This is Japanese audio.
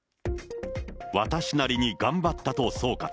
私なりに頑張ったと総括。